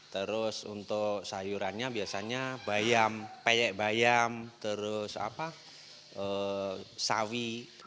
terus untuk sayurannya biasanya bayam peyek bayam terus sawi